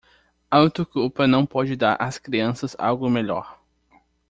Auto-culpa não pode dar às crianças algo melhor